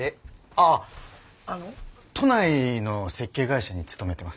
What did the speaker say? あああの都内の設計会社に勤めてます。